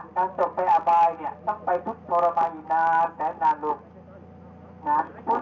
สวามที่ไปทางนอกที่ชัดซึ้น